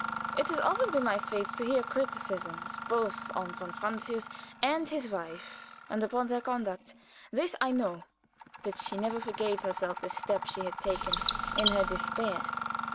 It has often been my fate to hear criticisms both on von Francius and his wife, and upon their conduct. This I know, that she never forgave herself the step she had taken in her despair.